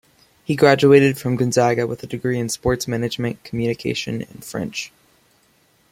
He graduated from Gonzaga with a degree in sports management, communication and French.